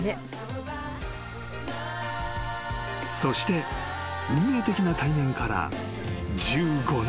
［そして運命的な対面から１５年］